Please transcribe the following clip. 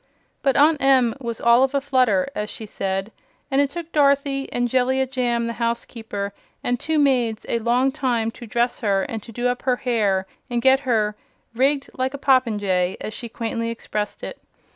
But Aunt Em was "all of a flutter," as she said, and it took Dorothy and Jellia Jamb, the housekeeper, and two maids a long time to dress her and do up her hair and get her "rigged like a popinjay," as she quaintly expressed it.